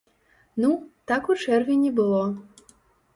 Ну, так у чэрвені было.